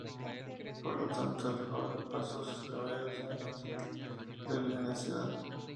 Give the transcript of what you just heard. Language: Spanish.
Por lo tanto, el joven pasó sus primeros años de vida en la ciudad.